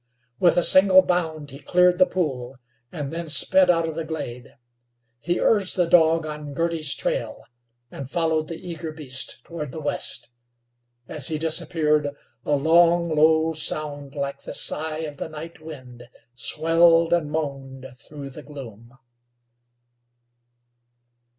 With a single bound he cleared the pool, and then sped out of the glade. He urged the dog on Girty's trail, and followed the eager beast toward the west. As he disappeared, a long, low sound like the sigh of the night wind swelled and moaned through the gloom.